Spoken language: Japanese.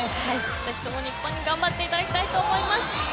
ぜひとも日本に頑張ってもらいたいと思います。